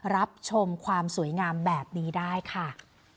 รับชมความสวยงามแบบนี้ได้ค่ะ